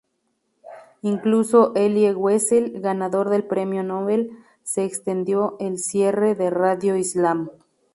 Incluso Elie Wiesel, ganador del Premio Nobel, se extendió el cierre de Radio Islam.